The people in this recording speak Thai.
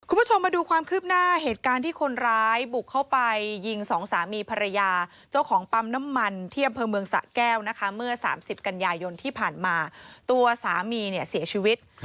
คุณผู้ชมมาดูความคืบหน้าเหตุการณ์ที่คนร้ายบุกเข้าไปยิงสองสามีภรรยาเจ้าของปั๊มน้ำมันที่อำเภอเมืองสะแก้วนะคะเมื่อ๓๐กันยายนที่ผ่านมาตัวสามีเนี่ยเสียชีวิต